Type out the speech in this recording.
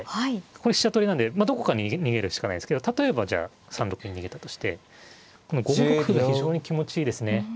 これ飛車取りなんでどこかに逃げるしかないですけど例えばじゃあ３六に逃げたとしてこの５六歩が非常に気持ちいいですね。